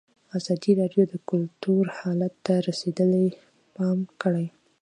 ازادي راډیو د کلتور حالت ته رسېدلي پام کړی.